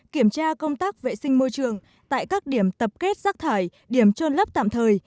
kiểm tra công tác vệ sinh môi trường tại các điểm tập kết rác thải điểm trôn lấp tạm thời